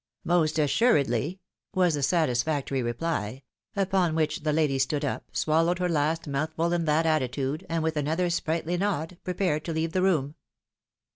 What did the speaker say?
" Most assuredly," was the satisfactory reply ; upon which the lady stood up, swallowed her last mouthful in that attitude, and with another sprightly nod, prepared to leave the room.